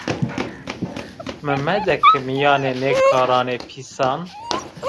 Mi medeke mîyanê nê karanê pîsan